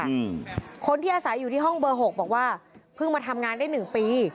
อืมคนที่อาศัยอยู่ที่ห้องเบอร์หกบอกว่าเพิ่งมาทำงานได้หนึ่งปี